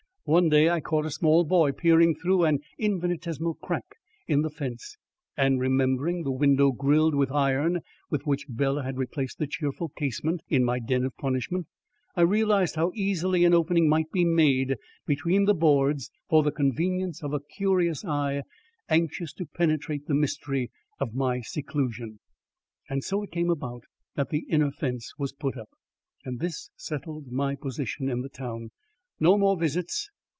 One day I caught a small boy peering through an infinitesimal crack in the fence, and, remembering the window grilled with iron with which Bela had replaced the cheerful casement in my den of punishment, I realised how easily an opening might be made between the boards for the convenience of a curious eye anxious to penetrate the mystery of my seclusion. And so it came about that the inner fence was put up. This settled my position in the town. No more visits.